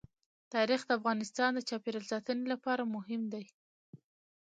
تاریخ د افغانستان د چاپیریال ساتنې لپاره مهم دي.